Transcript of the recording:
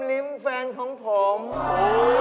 นี่ก็แปลสัตว์เลยไปเลย